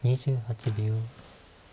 ２８秒。